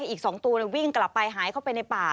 อีก๒ตัววิ่งกลับไปหายเข้าไปในป่า